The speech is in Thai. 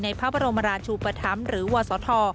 พระบรมราชูปธรรมหรือวศธ